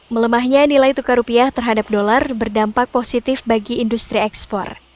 melemahnya nilai tukar rupiah terhadap dolar berdampak positif bagi industri ekspor